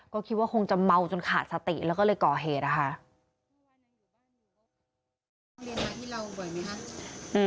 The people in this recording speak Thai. ก็คิดว่าคงจะเมาจนขาดสติแล้วก็เลยก่อเหตุนะคะ